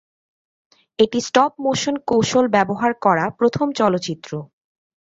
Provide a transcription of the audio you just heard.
এটি stop motion কৌশল ব্যবহার করা প্রথম চলচ্চিত্র।